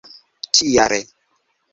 ĉi jare